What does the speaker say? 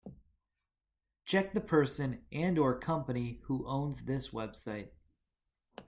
Check the person and/or company who owns this website.